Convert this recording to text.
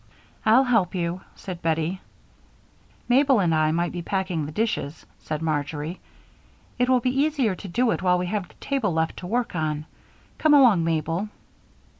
"I'll help you," said Bettie. "Mabel and I might be packing the dishes," said Marjory. "It will be easier to do it while we have the table left to work on. Come along, Mabel."